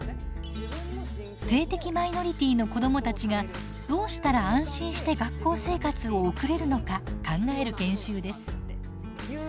性的マイノリティーの子どもたちがどうしたら安心して学校生活を送れるのか考える研修です。